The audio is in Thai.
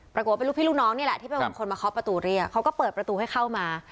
ปรากฏว่าเป็นลูกพี่ลูกน้องนี่แหละที่เป็นคนมาเคาะประตูเรียกเขาก็เปิดประตูให้เข้ามา